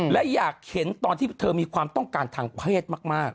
และอยากเห็นตอนที่เธอมีความต้องการทางเพศมาก